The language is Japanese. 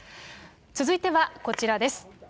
続いてはこちらです。